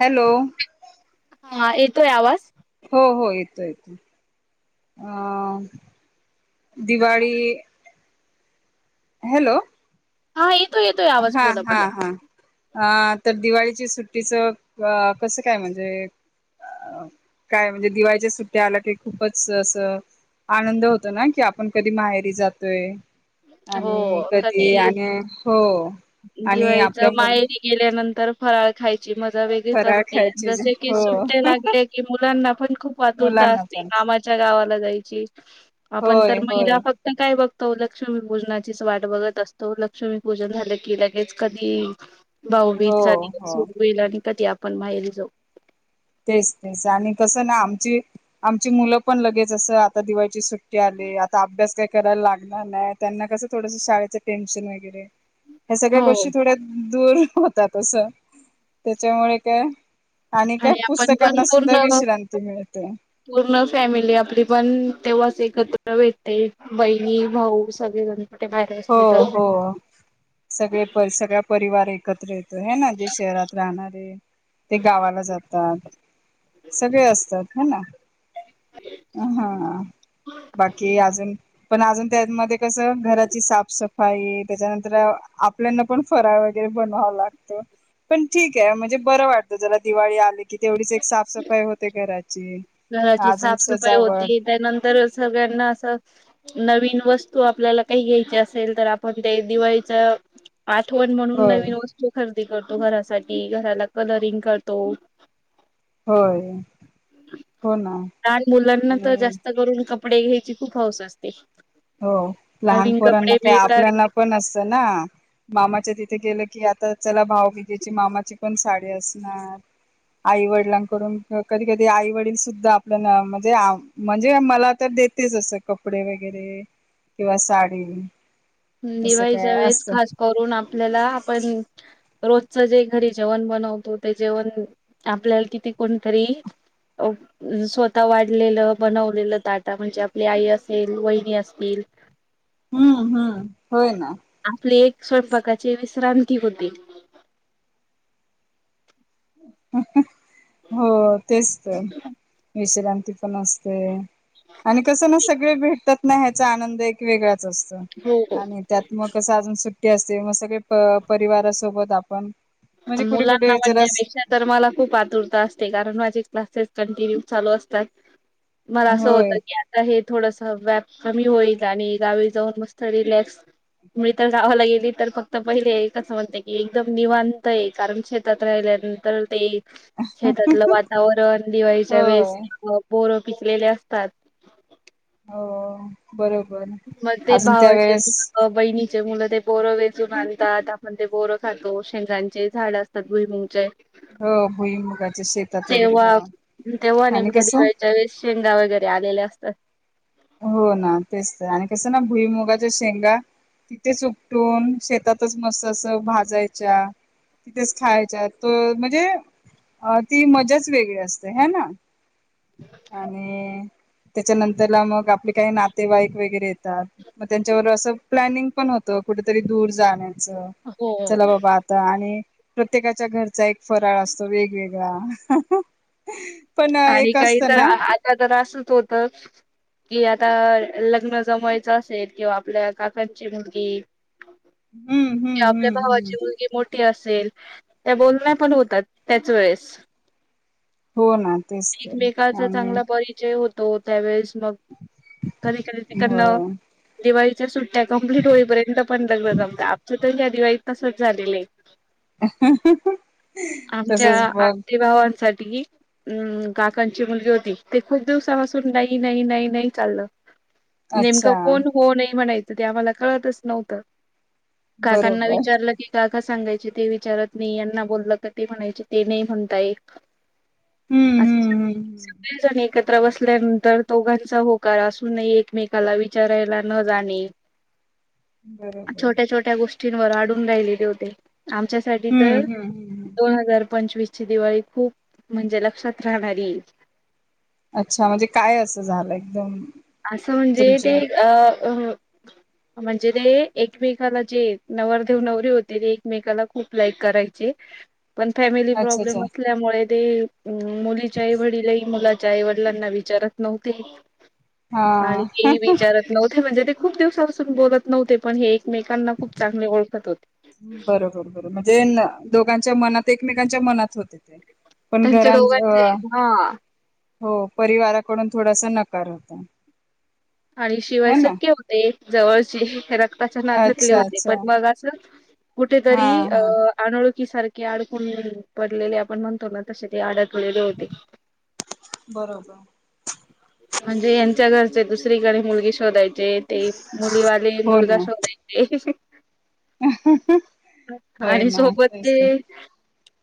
Hello हा येतोय, आवाज हो हो येतोय, अ दिवाळी हॅलो हा आई येतोय, येतोय आवाज हा बोला हा बोला, हा अ तर दिवाळीच्या सुट्टीच कसं काय म्हणजे अ काय म्हणजे दिवाळीच्या सुट्टी आल्या की, खूपच असं आनंद होतो. ना की आपण कधी माहेरी जातोय. आणि कधी आणि आणि दिवाळीच्या आपल्या मुल माहेरी गेल्या नंतर फराळ खाय मजा वेगळीच फराळ असते. खायची जसं की हो सुट्टे लागले की, मुलांना पण खूप आतुरता मुलांना असते. पण आमाच्या गावात ला जायची. आपण होय तर होय महिला फक्त काय बघ, तोलक लक्ष्मी पूजनाचीच वाट बघत असतो. लक्ष्मी पूजन झालं की लगेच कधी हो भाऊबीजचा दिवस हो उगवेल, आणि कधी आपण पण माहेरी जाऊ तेच तेच आणि कसं ना, आमची आमची मुलं पण लगेच असं आता दिवाळीची सुट्टी आले आता अभ्यास काय करायला लागणार नाही. त्यांना कसं थोडस शाळेचं टेनशन वगैरे ह्या सगळ्या हो गोष्टी थोड्या दूर होतात तस त्याच्यामुळे काय आणि काय? आपण पुस्तकांना सुद्धा पूर्ण, विश्रांती मिळते पूर्ण फॅमिली आपली पण तेव्हा एकत्र भेटते बहिणी भाऊ सगळी जणी हो हो, सगळे पर सगळा परिवार एकत्र येतो हे ना जे शहरात राहणारे ते गावाला जातात. सगळे असतात ह ना. हा बाकी अजून पण अजून त्यातमध्ये कस घरात ची साफ सफाई त्याच्यानंतर आपल्याना पण फराळ वगैरे बनवाव लागत, पण ठीक आहे म्हणजे बर वाटत जरा दिवाळी आली की तेवढीच एक साफ सफाई होते घरात घराची साफसफाई होती त्यानंतर सगळ्यांना असं नवीन वस्तू आपल्याला काही घ्यायची असेल तर आपण ते दिवाळीचा आठवण म्हणून होय नवीन वस्तू खर करतो घरासाठी घराला कलरिंग करतो होय. हो ना लहान मुलांना त आणि जास्त करून कपडे घ्यायची खूप हौस असते. हो नवीन लहानपोरांना कपडे काय मिळतात आपल्याना पण असत ना मामाच्या तिथ गेलं की आता चला भाऊबीजेची मामाची पण साडी असणार आई वडिलांकडून कधी कधी आई वडील सुद्धा आपल्याला म्हणजे म्हणजे मला तर देतेच असं कपडे वगैरे किंवा साडी हुं असं दिवाळीच्या काय वेळेस असत खास करून आपल्याला आपण रोजचं जे घरी जेवण बनवतो ते जेवण आपल्याला किती कोणतरी अ स्वतः वाढलेलं बनवलेलं ताट म्हणजे आपली आई असेल वहिनी असतील हम्म हम्म होय ना. आपली एक स्वयंपाकाची विश्रांती होते. हो तेच तर विश्रांती पण असते आणि कसं न असं भेटत नाही ह्याचा आनंद एक वगळाच. असत हो हो. आणि त्यात मग कसं अजून सुट ती असते, मग सगळे प परिवारा सोबत आपण म्हणजे कुठे मुलांना कुठे जरास म्हणण्यापेक्षा तर मला खूप आतुरता असते. कारण माझे क्लासेस कंटिन्यू चालू असतात. मला असं होत होय की, आता हे थोडस व्याप कमी होईल आणि गावी जाऊन मस्त रिलॅक्स. मी तर गावाला गेली तर फक्त पहिले एकच म्हणते की एकदम निवांत होतय. कारण शेतात राहिल्यानंतर ते शेतातलं वातावरण दिवाळीच्या वेळेस होय पोरं पिकलेले असतात. हो बरोबर म ते अजून त्या भावाचे वेळेस अ बहिणी ते मूल ते बोरं वेचून आणतात. आपण ते बोरं खातो. शेंगांचे झाड असतात. भुईमुगचे हो भुईमुगाच्या शेतात वगैरे तेव्हा जाऊन तेव्हा आणि नेमक्या कसं दिवाळीच्या वेळेस शेंगा वगैरे आलेल्या अस तर हो ना तेच तर आणि कसं ना भुईमुगाच्या शेंगा तिथेच उपटून शेतातच मस्त अस भाजायच्या तिथेच खायच्या तो म्हणजे अ ती मजाच वेगळी असते. हे ना आणि त्याच्या नंतरला मग आपले काही नातेवाईक वगैरे येतात मग त्यांच्यावर अस प्लनिंग पण होत कुठेतरी दूर जाण हो. चला बाबा आता आणि प्रत्येकाच्या घरचा एक फराळ असतो वेगवेगळा अहह ह पण आणि एक. काही असतं तर ना आ आता तर असच होत. कि आता लग्न जमवायचं असेल किंवा आपल्या काकांची मुलगी हम्म हम्म आपल्या हम्म हम्म भावाची मुलगी मोठ ते असेल ते बोलणे पण होतात त्याच वेळेस. हो ना. तेच तर एकमेकाच आणि चांगल परिचय होत. तो त्यावेळेस. मग कधी कधी तिकड हो न दिवाळीच्या सुट्ट्या कंप्लीट होईपर्यंत पण लग्न जमत आमच्या पण ह्या दिवाळीत तसच झालेलंय. अहह तसच बघ. तु ये. अमम काकांची मुलगी होती. ते खूप दिवसापासून नाही नाही नाही नाही चाललं नेमकं अच्छा कोण हो नाही म्हणेयत तर ते आम्हाला कळतच नव्हतं. काकांना बरोबर विचारलं की काक का सांगायचे ते विचारत नाही यांना बोललं का ते म्हणायचे ते नाही म्हणताय हम्म अस हम्म हम्म हम्म. सगळीजणे एकत्र बसल्यानंतर दोघांचा होकार असून एकमेकाला विचारायला न जाणे बरोबर छोट्या छोट्या गोष्ट ं तीनवार अडून राहिलेले होते आमच्यासाठी हम्म तर हम्म हम्म हम्म. दोन हजार पंचवीसची दिवाळी खूप म्हणजे ल सत्रा वारी अच्छा म्हणजे काय असं झालं एकदम असं म्हणजे ते तुमच्या अ अ म्हणजे ते एकमेकाला जे नवर देेव नवरी होते ते एकमेकाला खूप लाईक करायचे पण फॅमिली अच्छा अच्छा प्रॉब्लेम असल्यामुळे ते- मुलीचे आई वडीलही मुलाच्या आईवडिलांना विचारत नव्हते हा आणि विचारत नव्हते म्हणजे ते खूप दिवसापासून बोलत नव्हते पण हे बरोबर बरोबर [unintelligible] म्हणजे न- दोघांच्या मनात एकमेकांच्या मनात होते ते पण त्यांच्या घरां डोळ्यात अ, हा हो परिवाराकडून थोडासा नकार होता आणि शिवाय है ना सख्खे होते जवळची [unintelligible] त्याच्या नात्यातले अच्छा होते पण अच्छा मग असं हा कुठेतरी हा अनोळखी सारखे अडकून पडलेले आपण म्हणतो ना तसे ते आड [unintelligible] बरोबर म्हणजे यांच्या घरचे दुस [unintelligible] ते मुलीवाले हो मुलगा ना शोधायचे होय आणि ना तेच सोबतचे तर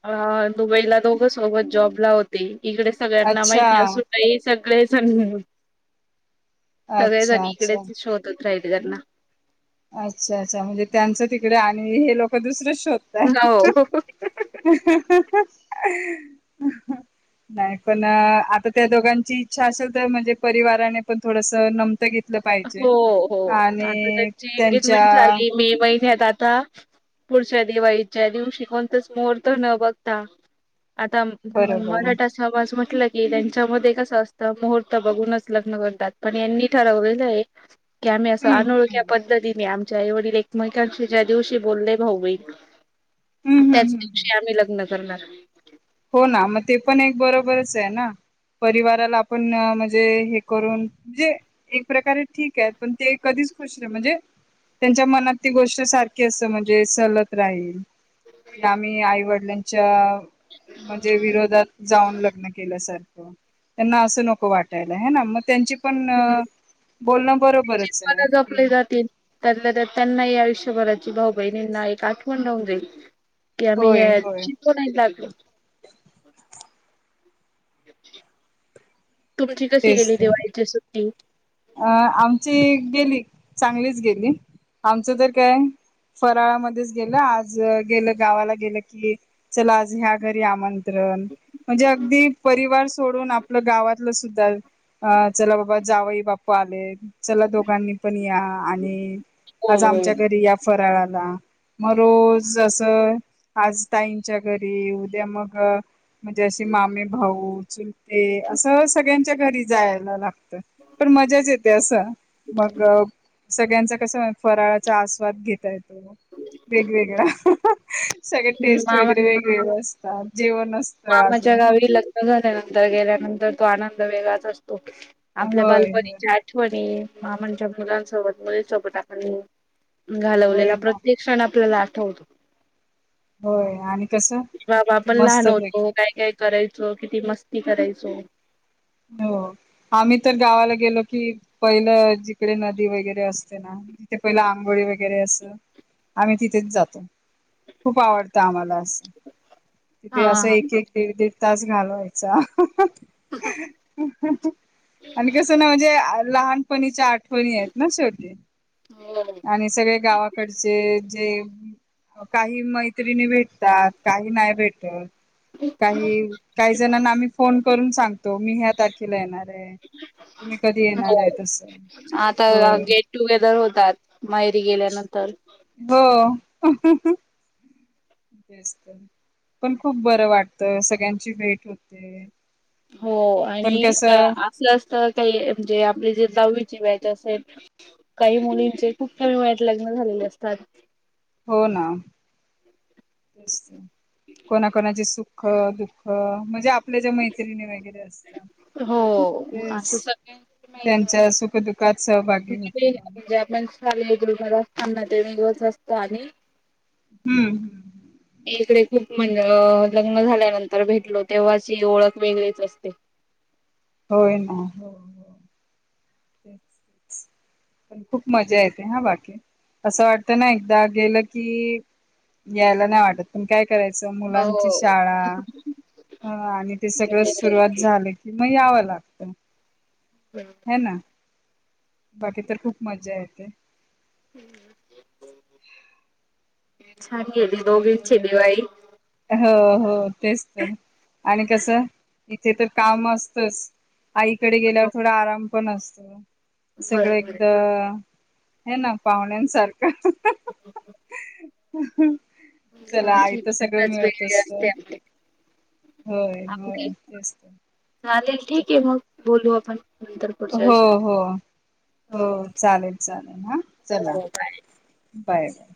ह दुबईला दोघं सोबत जॉब ला होती इकडे सगळ्यांना अच्छा माहिती असून [unintelligible] [unintelligible] सगळेजण अच्छा अच्छा इकडेच शोधत [unintelligible] [unintelligible] अच्छा [unintelligible] त्यांचं तिकडे आणि हे लोक दुसरं हो. [unintelligible] नाही पण--आता त्या दोघांची इच्छा असेल तर म्हणजे परिवाराने पण थोडस नम हो हो. त्यांच्या [unintelligible] आता पुढच्या दिवाळीच्या दिवशी कोणताच मुहूर्त न बघता आता बरोबर मराठा समाज [unintelligible] त्यांच्या मधे कस असतं मुहूर्त बघूनच लग्न करतात, पण यांनी ठरवले नाही. की आम्ही असं हम्म हम्म अनोळख्या पद्धतीने आमच्या ते आहे वडील एकमेकांशी ज्या दिवशी [unintelligible] हम्म हम्म त्याच हम्म हम्म. दिवशी आम्ही लग्न करणार हो ना मग ते पण एक बरोबरच आहे. ना परिवाराला आपण ना म्हणजे, हे करून जे एक प्रकारे ठीक आहे. पण ते कधीच खुश म्हणजे, त्यांच्या मनात ती गोष्ट सारखी अस म्हणजे, सलत राहील की आम्ही आईवडिलांच्या ह [unintelligible] म्हणजे विरोधात जाऊन लग्न केल्यासारखं, त्यांना असं नको वाटायला ह ना मग त्यांची पण ते बोलणं बरोबरच बरे आहे हाय [unintelligible] जपली की जातील त्या त्यांना आयष आयुष्यभराची भाऊ बहिणींना एक आठवण राहूदे. कि आम्ही होय हे होय शिको नाही लागलो. [unintelligible] तुमची कशी गेली दिवाळीची सुट्टी? अं आमची गेली चांगलीच गेली, आमचं तर काय फराळामध्येच गेलं आज गेलं गावाला गेलं की चला आज ह्या घरी आमंत्रण म्हणजे अगदी परिवार सो सोडून आपलं गावातलं सुद्धा, चला बाबा जावई बाप पालेत. चला दोघांनी पण या, आणि हो आज हो. आमच्या घरी या फराळात. ला मग रोज असं आज ताईंच्या घरी उद्या मग म्हणजे अशी मामी भाऊ [inaudible] ते असं सगळ्यांच्या च्या घरी जाय लाग त. मजाच येते असं मग सगळ्यांच कस फराळाचा आस्वाद घेतायेत वेगवेगळं सगळं ह ह ह टेस्ट वगैरे वेगवेगळं असत. चार जेवन. आमाझ गावी लग्न झाल्या ना नंतर गेल्यानंतर तो आनंद वेगच असतो. ओे आपल्या होय होय बालबणीच्या आठवणी. मा म्हणजच्या मुलांसोबत मुलींसोबत आपण. होय घालवलेला ना प्रत्येक क्षण आपल्याला आ हौत [unintelligible] होय आणि कस मस्त कीना. हो काय काय करायच. किती मस्ती करायचो. हो आम्ही तर गावाला गेलो की, पहिलं जिकडे नदी वगैरे असते ना, तिथे पहिलं आंघोळी वगैरे अस आम्ही तिथेच जातो, खूप आवडतं आम्हाला. हा तिथे असं हा एक एक देवी देव. ताच घालवायचा ह आणि कसं ना म्हणजे लहानपणीच्या आ णी आहेत ना शछवटी हो आणि सगळे गावाकडचे जे काही मैत्रिणी भेटतात काही नाही भेटत काही काही जणना आम्ही फोन करून सांगतो मी ह्या तारखेला येणार आहे तुम्ही कधी हो येणार आहे तस आता होय गेट टुगेदर होतात मायरी गेल्यानंतर ह ह तेस्त पण खूप बरं वाटतं सगळ्यांची भेट होते हो पण आणि कसं असलं असत काही म्हणजे आपले जे जाऊ अस काही मुलींचे खूप कमी वाट लग्न झालेले असतात हो ना तेसत आहे कोणा कोणाचे सुख दुःख दुःख म्हणजे आपल्या ज्या मैत्रिणी वगैरे अस हो असं सगळ्यां त्यांच्या सुखदुःखात सहभागी होतो. माण सांना ते वेगळंच असत आणि हम्म हम्म तिकडे खूप म्हणज लग्न झाल्यानंतर भेटलो तेव्हाची ह ओळख वेगळीच असते होय ना पण खूप मजा येते हा बाकी असं वाटतं ना एकदा गेलं की यायला नाही वाटत पण काय करायच हो मुलांची शाळा आणि ते सगळं वेगळी. सुरुवात झालं की मग याव लागत म्हणजे ह ना बाकी तर खूप मज्जा येते दोघीचे दिवाळी हो हो तेच तर आणि कस इथे तर काम असतच. आईकडे गेल्यावर थोड आराम पण असतो. सगळं बरोबर एकदा हे ना पाहुण्यांसारखं जी ह् हम चला आहेय त सगळ वेगळे असते आपली होय, आपले होय तेच तर चालेल ठीक आहे. मग बोलू आपण, नंतर पुढच्या हो विषयावर. हो हो चालेल चालेल, हा हो चला हो बाय. Bye bye